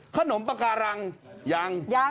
ขนมปาการังยัง